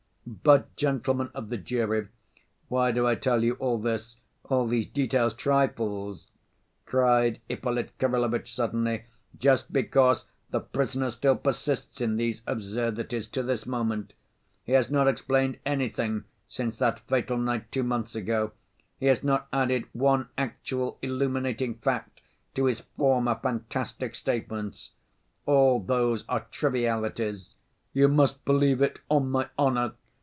"But, gentlemen of the jury, why do I tell you all this, all these details, trifles?" cried Ippolit Kirillovitch suddenly. "Just because the prisoner still persists in these absurdities to this moment. He has not explained anything since that fatal night two months ago, he has not added one actual illuminating fact to his former fantastic statements; all those are trivialities. 'You must believe it on my honor.